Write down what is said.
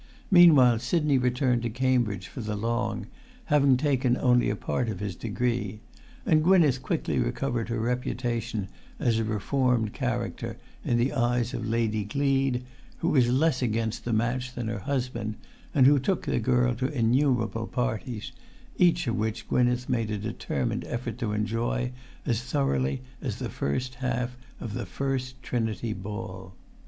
Meanwhile Sidney returned to Cambridge for the Long, having taken only a part of his degree; and Gwynneth quickly recovered her reputation as a reformed character in the eyes of Lady Gleed, who was less against the match than her husband, and who took the girl to innumerable parties, each of which Gwynneth made a determined effort to enjoy as thoroughly as the first half of the First Trinity ball.